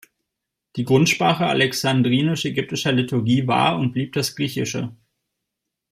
Die Grundsprache alexandrinisch-ägyptischer Liturgie war und blieb das Griechische.